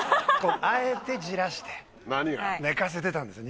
あえて焦らして寝かせてたんですよ